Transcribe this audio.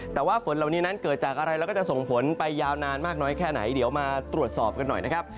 แต่ว่าฝนเหล่านี้นั้นเกิดจากอะไรแล้วก็จะส่งผลไปยาวนานมากน้อยแค่ไหนเดี๋ยวมาตรวจสอบกันหน่อยนะครับ